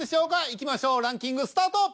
いきましょうランキングスタート。